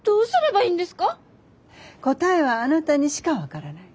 答えはあなたにしか分からない。